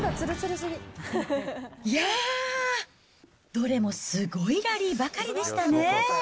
いやー、どれもすごいラリーばかりでしたね。